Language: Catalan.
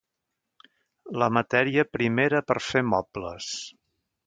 La matèria primera per fer mobles.